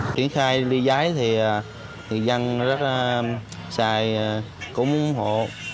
khiến khai ly giấy thì người dân rất xài cũng ủng hộ